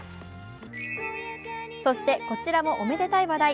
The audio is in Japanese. そしてこちらもおめでたい話題。